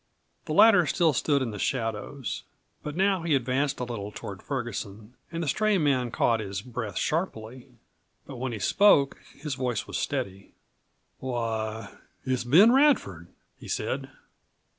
The latter still stood in the shadows. But now he advanced a little toward Ferguson, and the stray man caught his breath sharply. But when he spoke his voice was steady. "Why, it's Ben Radford," he said.